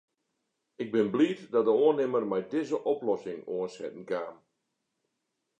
Ik bin bliid dat de oannimmer mei dizze oplossing oansetten kaam.